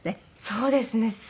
そうですね。